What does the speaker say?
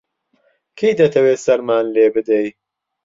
کەی دەتەوێ سەرمان لێ بدەی؟